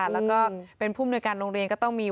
แล้วก็เป็นผู้มนุยการโรงเรียนก็ต้องมี